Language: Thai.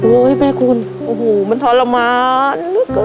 โอ้โหให้แม่คุณโอ้โหมันทรมาน